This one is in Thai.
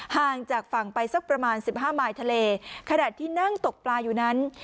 ห่างจากฝั่งไปสักประมาณสิบห้ามายทะเลขณะที่นั่งตกปลาอยู่นั้น